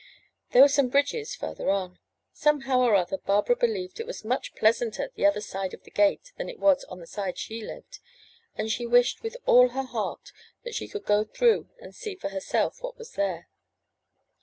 There were some bridges farther on. Somehow or other Barbara believed it was much pleasanter the other side of the gate than it was on the side she lived, and she wished with all her heart that she could go through and see for herself what was there.